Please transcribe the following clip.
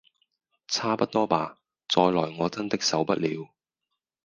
差不多吧！再來我真的受不了